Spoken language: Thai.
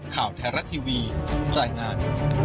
ข่าวแทรกทีวีรายงาน